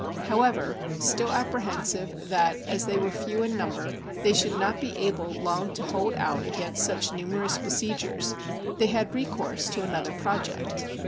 However, still apprehensive that, as they were few in number, they should not be able long to hold out against such numer ous besiegers, they had recourse to another project.